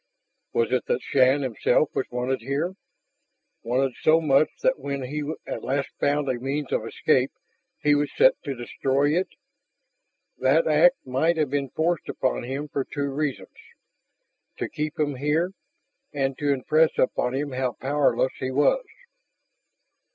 Was it that Shann himself was wanted here, wanted so much that when he at last found a means of escape he was set to destroy it? That act might have been forced upon him for two reasons: to keep him here, and to impress upon him how powerless he was.